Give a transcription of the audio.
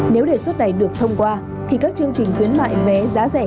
nếu đề xuất này được thông qua thì các chương trình khuyến mại vé giá rẻ